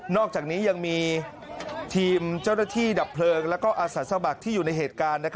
อกจากนี้ยังมีทีมเจ้าหน้าที่ดับเพลิงและอาสาสมัครที่อยู่ในเหตุการณ์